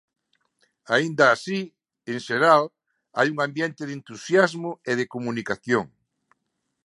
Aínda así, en xeral, hai un ambiente de entusiasmo e de comunicación.